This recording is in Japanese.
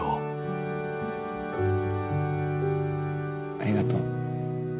ありがとう。